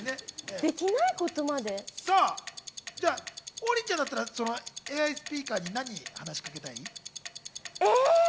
王林ちゃんだったら、ＡＩスピーカーに何を話しかけたい？